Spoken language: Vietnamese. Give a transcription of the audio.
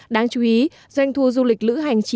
đáng chú ý doanh thu du lịch lữ hành